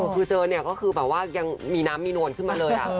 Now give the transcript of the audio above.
คือเจอเนี่ยก็คือแบบว่ายังมีน้ำมีนวลขึ้นมาเลย